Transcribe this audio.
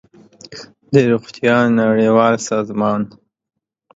د روغتیا نړیوال سازمان